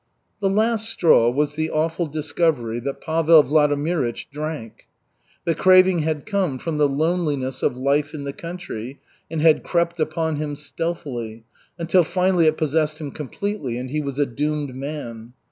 The last straw was the awful discovery that Pavel Vladimirych drank. The craving had come from the loneliness of life in the country and had crept upon him stealthily, until finally it possessed him completely, and he was a doomed man.